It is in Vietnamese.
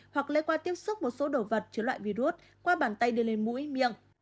hoặc lễ qua tiếp xúc một số đồ vật chứa loại virus qua bàn tay đưa lên mũi miệng